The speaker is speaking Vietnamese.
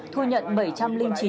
thu nhận bảy trăm linh chín hồ sơ